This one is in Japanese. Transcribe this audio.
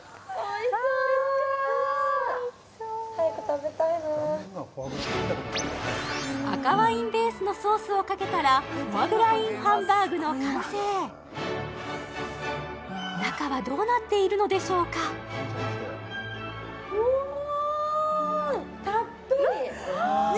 早く食べたいな赤ワインベースのソースをかけたらフォアグラｉｎハンバーグの完成中はどうなっているのでしょうか・たっぷり！